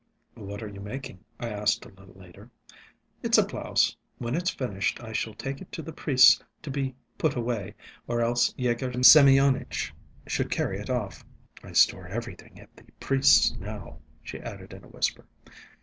"_ "What are you making?" I asked, a little later. "It's a blouse. When it's finished I shall take it to the priest's to be put away, or else Yegor Semyonitch would carry it off. I store everything at the priest's now," she added in a whisper.